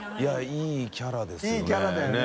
いいキャラだよね。